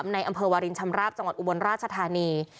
ในอำเภอวารินชำราบจังหวัดอุบลราชธานี